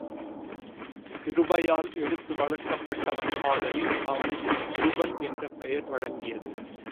கிருபையால் எடுத்து வளர்க்கப்பட்டவன் ஆதலின் அவனுக்குக் கிருபன் என்று பெயர் வழங்கியது.